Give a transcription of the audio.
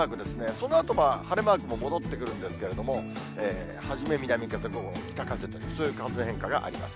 そのあと、晴れマークも戻ってくるんですけれども、初め南風、午後北風と、そういう風の変化があります。